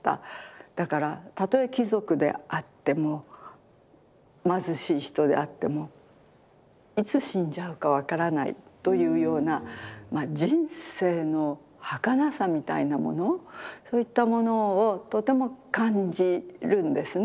だからたとえ貴族であっても貧しい人であってもいつ死んじゃうか分からないというような人生のはかなさみたいなものそういったものをとても感じるんですね。